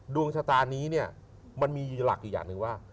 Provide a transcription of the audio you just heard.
ดวงชะตานี้มันมีหลักอีกอย่างนึงว่า